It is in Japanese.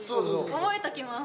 覚えときます。